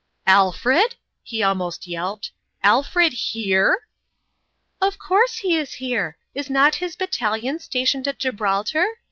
"Alfred?" he almost yelped. "Alfred here!" " Of course he is here. Is not his battalion stationed at Gibraltar